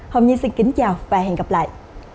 hồng nhiên xin kính chào và hẹn gặp lại